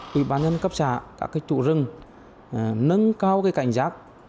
quỹ bán nhân cấp xã các chủ rừng nâng cao cảnh giác